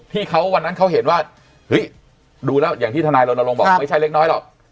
ที่เขาวันนั้นเขาเห็นว่าเฮ้ยดูแล้วอย่างที่ทนายรณรงค์บอกไม่ใช่เล็กน้อยหรอก